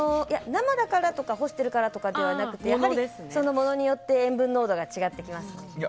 生だからとか干してるからとかじゃなくてやはりそのものによって塩分濃度が違ってきます。